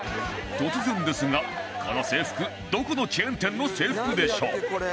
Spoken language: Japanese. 突然ですがこの制服どこのチェーン店の制服でしょう？